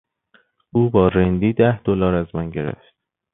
او با رندی ده دلار از من گرفت.